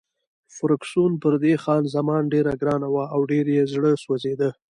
فرګوسن پر دې خان زمان ډېره ګرانه وه او ډېر یې زړه سوځېده.